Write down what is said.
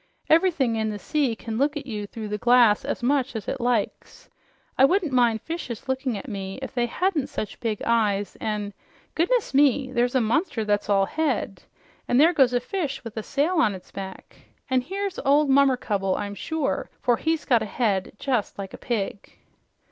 Ever'thing in the sea can look at you through the glass as much as it likes. I wouldn't mind fishes looking at me if they hadn't such big eyes, an' goodness me! There's a monster that's all head! And there goes a fish with a sail on its back, an' here's old Mummercubble, I'm sure, for he's got a head just like a pig."